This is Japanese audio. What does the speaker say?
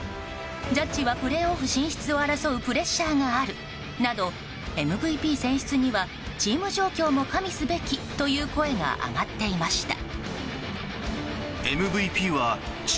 ジャッジはプレーオフ進出を争うプレッシャーがあるなどＭＶＰ選出にはチーム状況も加味すべきという声が上がっていました。